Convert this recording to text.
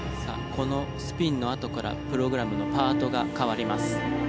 このスピンのあとからプログラムのパートが変わります。